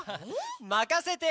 まかせて！